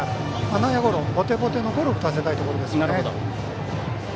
内野ゴロ、ボテボテのゴロを打たせたいところですね。